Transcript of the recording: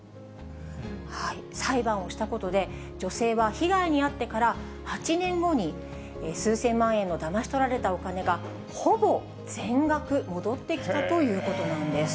裁判をしたことで、女性は被害に遭ってから８年後に、数千万円のだまし取られたお金がほぼ全額戻ってきたということなんです。